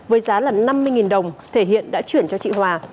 với giá là năm mươi đồng thể hiện đã chuyển cho chị hòa